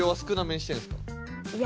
いや。